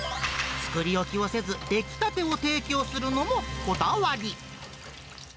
作り置きをせず、出来たてを提供するのもこだわり。